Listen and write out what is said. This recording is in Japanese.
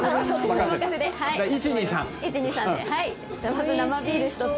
まず生ビール１つ。